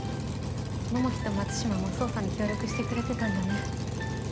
桃木と松島も捜査に協力してくれてたんだね。